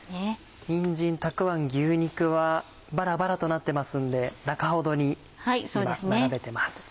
にんじんたくあん牛肉はバラバラとなってますんで中ほどに今並べてます。